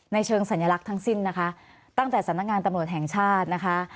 ในเชิงสัญลักษณ์ทั้งสิ้นตั้งแต่สนักงานตำนวนแห่งชาติ